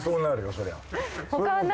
そりゃ。